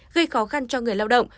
gây khó khăn cho người lao động